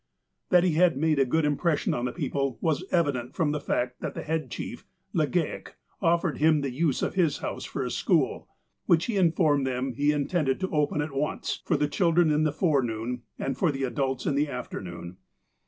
That he had made a good impression on the people was evident from the fact that the head chief. Legale, of fered him the use of his house for a school, which he in formed them he intended to open at once, for the children in the forenoon, and for the adults in the afternoon.